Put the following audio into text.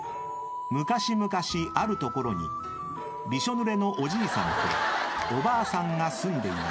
［むかしむかしあるところにびしょぬれのおじいさんとおばあさんが住んでいました］